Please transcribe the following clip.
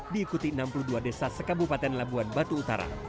diikuti enam puluh dua desa sekabupaten labuan batu utara